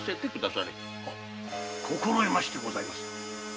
心得ましてございます。